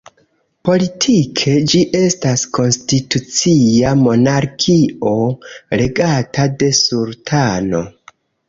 Politike ĝi estas konstitucia monarkio, regata de sultano.